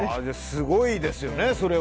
すごいですよね。